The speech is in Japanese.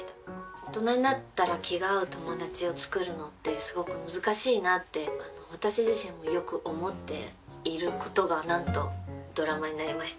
大人になったら気が合う友達をつくるのってすごく難しいなって私自身もよく思っていることがなんとドラマになりました。